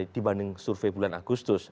dibanding survei bulan agustus